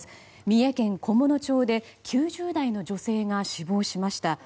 三重県菰野町で９０代の女性が死亡しました。